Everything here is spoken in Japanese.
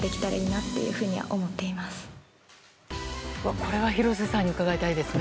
これは廣瀬さんに伺いたいですね。